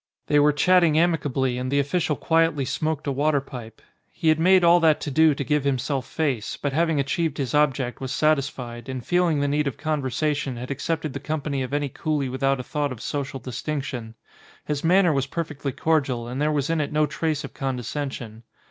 They were chatting amicably and the official quietly smoked a water pipe. He had made all that to do to give himself face, but having achieved his object was satisfied, and feeling the need of conversation had accepted the company of any coolie without a thought of social distinction. His manner was perfectly cordial and there was in it no trace of condescension.